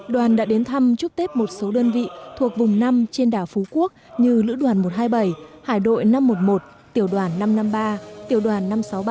đoàn đã đến thăm chúc tết một số đơn vị thuộc vùng năm trên đảo phú quốc như lữ đoàn một trăm hai mươi bảy hải đội năm trăm một mươi một tiểu đoàn năm trăm năm mươi ba tiểu đoàn năm trăm sáu mươi ba